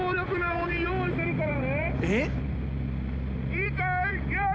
いいかい？